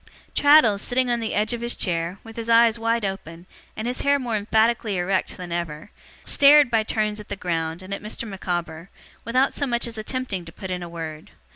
Traddles, sitting on the edge of his chair, with his eyes wide open, and his hair more emphatically erect than ever, stared by turns at the ground and at Mr. Micawber, without so much as attempting to put in a word.